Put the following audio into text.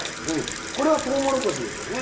これはトウモロコシですよね？